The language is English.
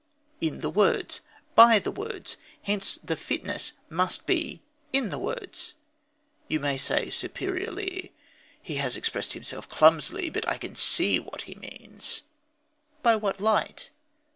In the words, by the words. Hence the fineness must be in the words. You may say, superiorly: "He has expressed himself clumsily, but I can see what he means." By what light?